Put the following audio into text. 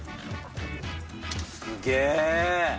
すげえ。